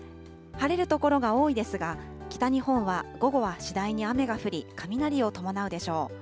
晴れる所が多いですが、北日本は午後は次第に雨が降り、雷を伴うでしょう。